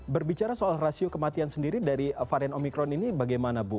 berbicara soal rasio kematian sendiri dari varian omikron ini bagaimana bu